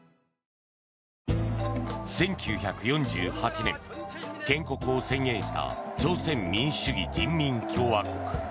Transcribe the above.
１９４８年建国を宣言した朝鮮民主主義人民共和国。